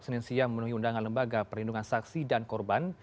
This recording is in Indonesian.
senin siang memenuhi undangan lembaga perlindungan saksi dan korban